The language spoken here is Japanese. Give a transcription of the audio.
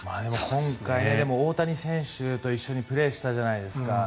今回、大谷選手と一緒にプレーしたじゃないですか。